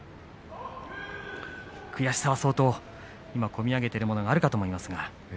悔しさは相当込み上げてくるものがあるかと思います。